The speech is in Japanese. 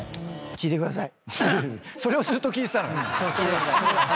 聞いてください。